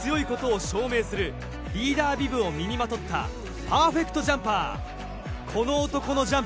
今、最も強いことを証明するリーダービブを身にまとったパーフェクトジャンパー。